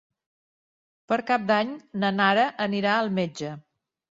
Per Cap d'Any na Nara anirà al metge.